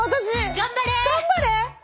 頑張れ！